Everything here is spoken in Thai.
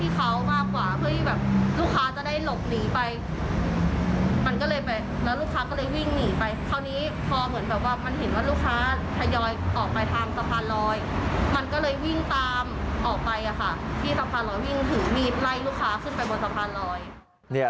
ที่สะพานลอยวิ่งถือมีดไล่ลูกค้าขึ้นไปบนสะพานลอย